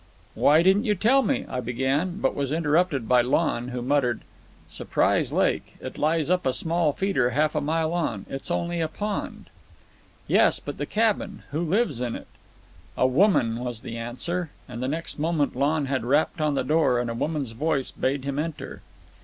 "Why didn't you tell me—" I began, but was interrupted by Lon, who muttered— "Surprise Lake—it lies up a small feeder half a mile on. It's only a pond." "Yes, but the cabin—who lives in it?" "A woman," was the answer, and the next moment Lon had rapped on the door, and a woman's voice bade him enter.